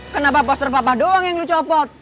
kenapa poster papa doang yang lu copot